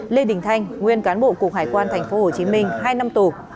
lê đình thanh nguyên cán bộ cục hải quan tp hcm hai năm tù